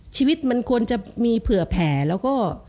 ชีวิตมันควรจะมีเผื่อแผลแล้วก็